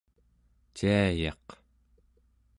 ciayaq